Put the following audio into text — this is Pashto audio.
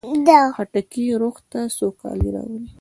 خټکی روح ته سوکالي راولي.